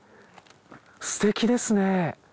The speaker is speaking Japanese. すてきですね。